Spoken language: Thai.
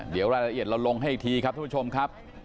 เดี๋ยวรายละเอียดเราลงให้อีกทีครับทุกผู้ชมครับ